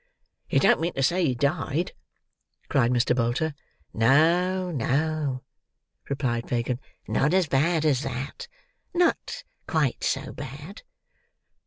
"You don't mean to say he died?" cried Mr. Bolter. "No, no," replied Fagin, "not so bad as that. Not quite so bad."